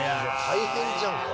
大変じゃんか。